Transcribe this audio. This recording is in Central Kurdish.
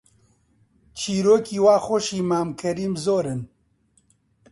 چیرۆکی وا خۆشی مام کەریم زۆرن